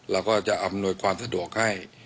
เราก็จะอำนวยความสะดวกให้